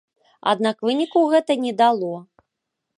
Аднак выніку гэта не дало.